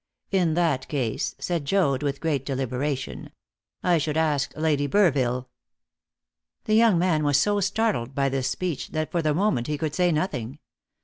"In that case," said Joad, with great deliberation, "I should ask Lady Burville." The young man was so startled by this speech that for the moment he could say nothing.